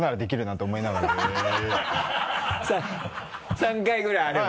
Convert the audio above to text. ３回ぐらいあれば？